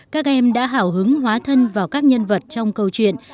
các em đã hào hứng hóa thân vào các nhân vật trong câu chuyện